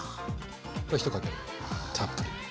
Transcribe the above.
これ１かけ分たっぷり。